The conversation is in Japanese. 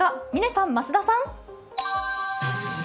嶺さん、増田さん。